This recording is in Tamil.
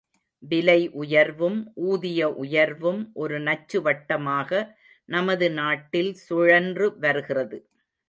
விலை உயர்வும் ஊதிய உயர்வும் ஒரு நச்சுவட்டமாக நமது நாட்டில் சுழன்று வருகிறது.